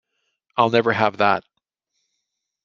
I'll never have that.